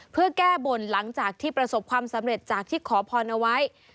เพื่อแก้บนหลังจากที่ประสบความสำเร็จจากที่ขอพรเอาไว้